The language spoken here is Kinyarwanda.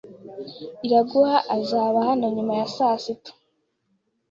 Iraguha azaba hano nyuma ya saa sita.